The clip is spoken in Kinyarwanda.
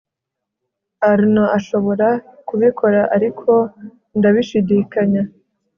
arnaud ashobora kubikora, ariko ndabishidikanya